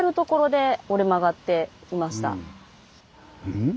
うん？